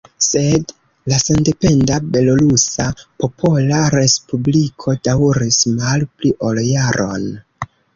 Sed la sendependa Belorusa Popola Respubliko daŭris malpli ol jaron.